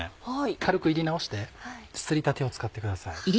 軽く炒り直してすりたてを使ってください。